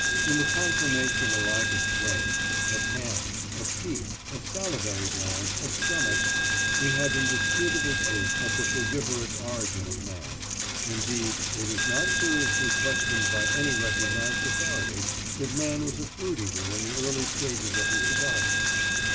In the conformation alike of brain, of hands, of teeth, of salivary glands, of stomach, we have indisputable proof of the frugivorous origin of man—indeed, it is not seriously questioned by any recognised authority, that man was a fruit eater in the early stages of his development.